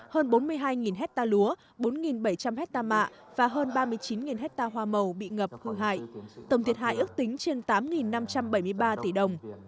hơn bốn mươi hai hecta lúa bốn bảy trăm linh hecta mạ và hơn ba mươi chín hecta hoa màu bị ngập hư hại tầm thiệt hại ước tính trên tám năm trăm bảy mươi ba tỷ đồng